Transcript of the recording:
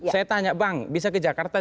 saya tanya bang bisa ke jakarta